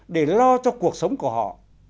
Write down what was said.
để lo cho cuộc sống của họ